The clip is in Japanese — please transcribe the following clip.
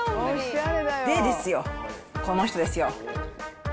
で、ですよ、この人ですよ。